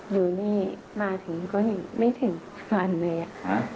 อยู่นี่มาถึงก็ไม่ถึงวันเลยอะค่ะ